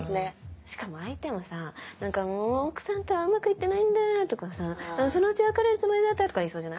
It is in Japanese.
しかも相手もさ「奥さんとはうまくいってないんで」とかさ「そのうち別れるつもりだった」とか言いそうじゃない？